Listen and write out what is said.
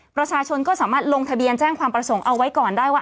ประชาชนก็สามารถลงทะเบียนแจ้งความประสงค์เอาไว้ก่อนได้ว่า